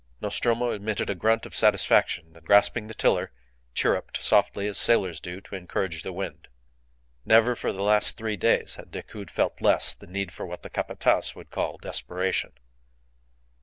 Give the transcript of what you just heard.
Nostromo emitted a grunt of satisfaction, and grasping the tiller, chirruped softly, as sailors do, to encourage the wind. Never for the last three days had Decoud felt less the need for what the Capataz would call desperation.